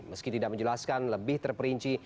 meski tidak menjelaskan lebih terperinci